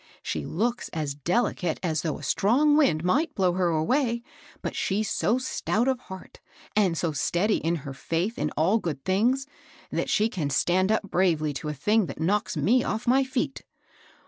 She looks as delicate as though a strong wind might blow her away; but she's so stout of heart, and so steady in her faith in all good things, that she can stand up bravely to a thing that knocks me off my feet.